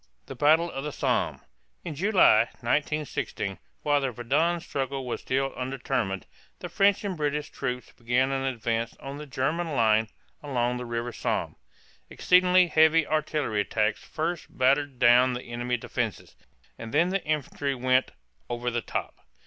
THE BATTLE OF THE SOMME. In July, 1916, while the Verdun struggle was still undetermined, the French and British troops began an advance on the German line along the river Somme (som). Exceedingly heavy artillery attacks first battered down the enemy defenses, and then the infantry went "over the top."